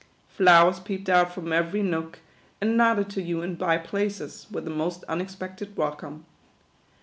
Flowers peeped out from every nook, and nodded to you in bye places, with a most unexpected welcome.